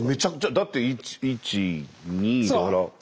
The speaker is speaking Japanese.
だって１２だから。